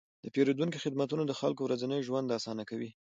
د پیرودونکو خدمتونه د خلکو ورځنی ژوند اسانه کوي.